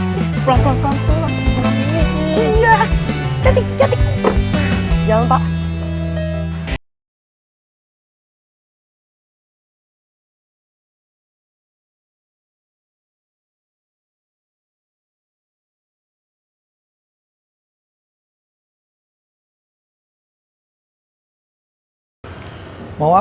belakang belakang belakang